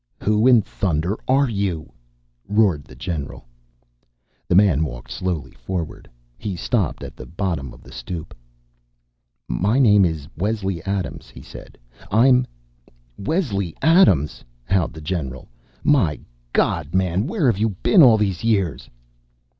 "Who in thunder are you?" roared the general. The man walked slowly forward. He stopped at the bottom of the stoop. "My name is Wesley Adams," he said. "I'm " "Wesley Adams!" howled the general. "My God, man, where have you been all these years?"